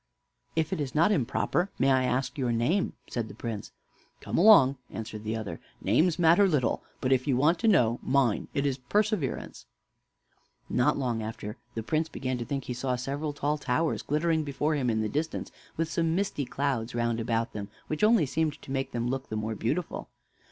"If it is not improper, may I ask your name?" said the Prince. "Come along," answered the other, "Names matter little; but if you want to know mine, it is Perseverance." Not long after the Prince began to think he saw several tall towers glittering before him in the distance, with some misty clouds round about them, which only seemed to make them look the more beautiful.